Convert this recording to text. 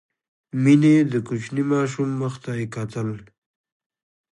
مينې د کوچني ماشوم مخ ته يې کتل.